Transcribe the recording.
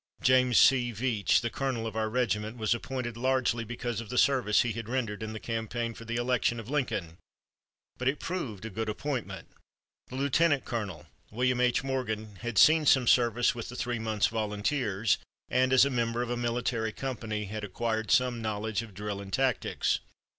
James C. Veatch, the colonel of our regiment, was appointed largely because of the service he had rendered in the campaign for the election of Lincoln, but it proved a good appointment. The lieutenant colonel, William H. Morgan, had seen some service with the three months' volunteers and as a member of a military company had acquired some knowledge of drill and tactics.